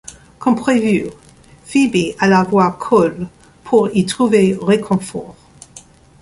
Comme prévu, Phoebe alla voir Cole pour y trouver réconfort.